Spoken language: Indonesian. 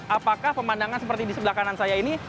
apakah pemandangan seperti di sebelah kanan saya ini